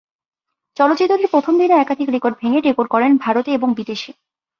চলচ্চিত্রটি প্রথম দিনে একাধিক রেকর্ড ভেঙে রেকর্ড গড়েন ভারতে এবং বিদেশে।